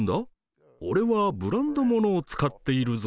俺はブランドものを使っているぞ」